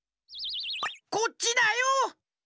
こっちだよ。